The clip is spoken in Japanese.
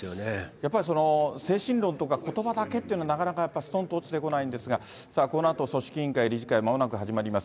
やっぱり精神論とかことばだけっていうのは、なかなかすとんと落ちてこないんですが、このあと組織委員会、理事会、まもなく始まります。